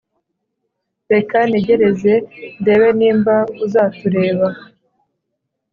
reka nejyereze ndebe nimba uza tureba